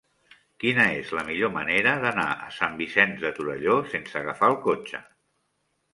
Quina és la millor manera d'anar a Sant Vicenç de Torelló sense agafar el cotxe?